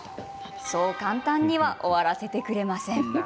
そう簡単には終わらせてくれません。